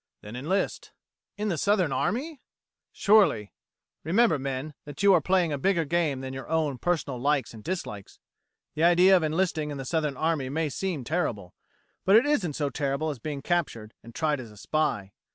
"Then enlist." "In the Southern army?" "Surely. Remember, men, that you are playing a bigger game than your own personal likes and dislikes. The idea of enlisting in the Southern army may seem terrible, but it isn't so terrible as being captured and tried as a spy.